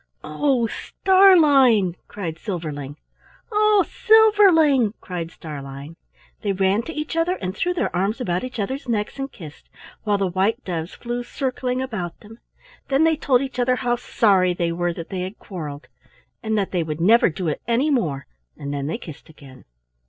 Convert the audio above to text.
"Oh, Starlein!" cried Silverling. "Oh, Silverling!" cried Starlein. They ran to each other and threw their arms about each other's necks and kissed, while the white doves flew circling about them. Then they told each other how sorry they were that they had quarrelled, and that they would never do it any more, and then they kissed again.